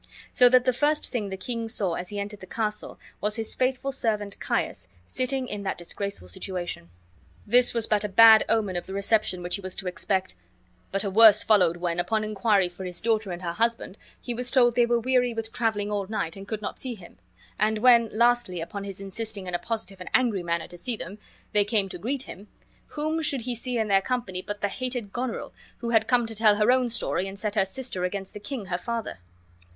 So that the first thing the king saw when he entered the castle was his faithful servant Caius sitting in that disgraceful situation. This was but a bad omen of the reception which he was to expect; but a worse followed when, upon inquiry for his daughter and her husband, he was told they were weary with traveling all night and could not see him; and when, lastly, upon his insisting in a positive and angry manner to see them, they came to greet him, whom should he see in their company but the hated Goneril, who had come to tell her own story and set her sister against the king her father!